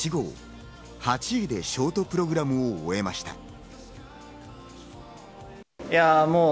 ８位でショートプログラムを終えました。